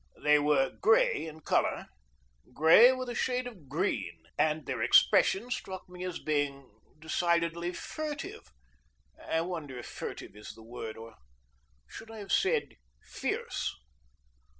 They were gray in color, gray with a shade of green, and their expression struck me as being decidedly furtive. I wonder if furtive is the word, or should I have said fierce?